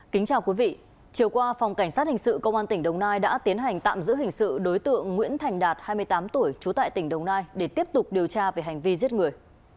kính chào quý vị chiều qua phòng cảnh sát hình sự công an tỉnh đồng nai đã tiến hành tạm giữ hình sự đối tượng nguyễn thành đạt hai mươi tám tuổi trú tại tỉnh đồng nai để tiếp tục điều tra về hành vi giết người